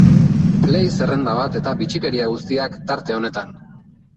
Play zerrenda bat eta bitxikeria guztiak, tarte honetan.